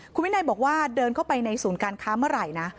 คุณวินัยบอกว่าเดินเข้าไปในศูนย์การค้าเมื่อไหร่นะ